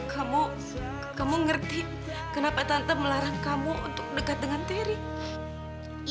kamu kamu ngerti kenapa tante melarang kamu untuk dekat dengan terry